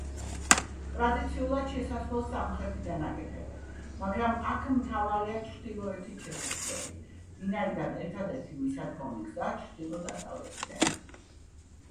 ტრადიციულად შესასვლელს სამხრეთიდან აკეთებდნენ, მაგრამ აქ მთავარია ჩრდილოეთით შესასვლელი, ვინაიდან ერთადერთი მისადგომი გზა ჩრდილო-დასავლეთიდანაა.